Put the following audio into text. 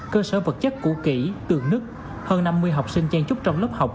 cơ sở vật chất củ kỷ tường nứt hơn năm mươi học sinh trang trúc trong lớp học